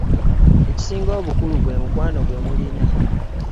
Ekisinga obukulu gwe mukwano gwe mulina.